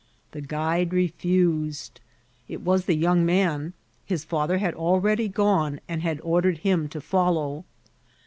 The guide refused. It was the young man; his father had already gone, and had ordered him to follow.